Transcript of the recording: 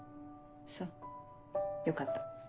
そうよかった。